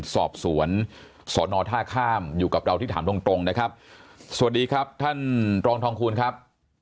สอบสวนสอนอท่าข้ามอยู่กับเราที่ถามตรงตรงนะครับสวัสดีครับท่านรองทองคูณครับ